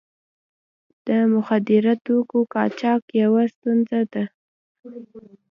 د مخدره توکو قاچاق یوه ستونزه ده.